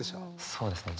そうですね